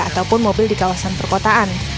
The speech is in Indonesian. ataupun mobil di kawasan perkotaan